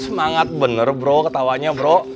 semangat bener bro ketawanya bro